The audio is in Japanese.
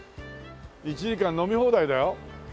１時間飲み放題だよ。